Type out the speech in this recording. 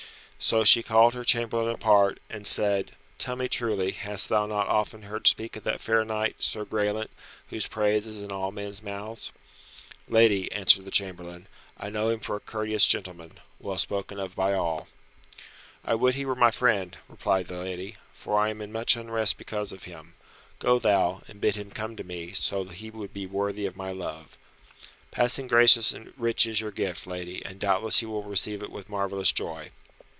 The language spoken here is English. So she called her chamberlain apart, and said, "Tell me truly, hast thou not often heard speak of that fair knight, Sir Graelent, whose praise is in all men's mouths?" "Lady," answered the chamberlain, "I know him for a courteous gentleman, well spoken of by all." "I would he were my friend," replied the lady, "for I am in much unrest because of him. Go thou, and bid him come to me, so he would be worthy of my love." "Passing gracious and rich is your gift, lady, and doubtless he will receive it with marvellous joy.